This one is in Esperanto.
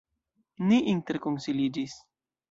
Ni interkonsiliĝis.